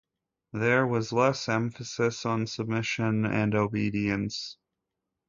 There was less emphasis on submission and obedience.